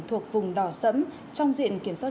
thuộc vùng đỏ sẫm trong diện kiểm soát